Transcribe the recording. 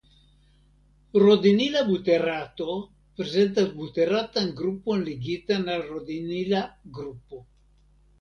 Rodinila buterato prezentas buteratan grupon ligitan al rodinila grupo.